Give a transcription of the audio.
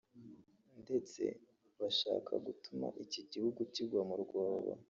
ndetse bashaka gutuma iki gihugu kigwa mu rwobo